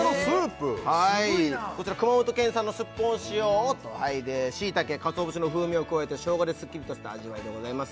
こちら熊本県産のすっぽんを使用しいたけかつお節の風味を加えた生姜でスッキリとした味わいでございます